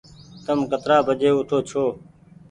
تم ڪترآ بجي اوٺو ڇو ۔